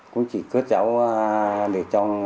cũng chỉ cướp cháu để trong